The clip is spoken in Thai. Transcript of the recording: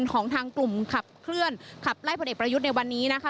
ของทางกลุ่มขับเคลื่อนขับไล่พลเอกประยุทธ์ในวันนี้นะคะ